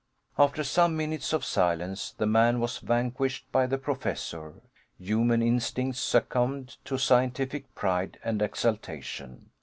After some minutes of silence, the man was vanquished by the Professor. Human instincts succumbed to scientific pride and exultation.